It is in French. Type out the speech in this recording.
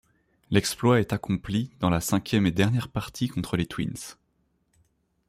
L'exploit est accompli dans la cinquième et dernière partie contre les Twins.